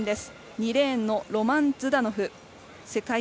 ２レーンのロマン・ズダノフ。